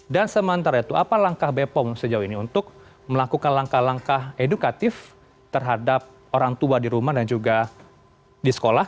dan sementara itu apa langkah bepom sejauh ini untuk melakukan langkah langkah edukatif terhadap orang tua di rumah dan juga di sekolah